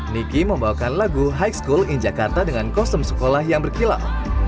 niki membawakan lagu high school in jakarta dengan kostum sekolah yang berkilau